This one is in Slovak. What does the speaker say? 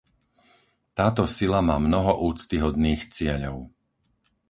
Táto sila má mnoho úctyhodných cieľov.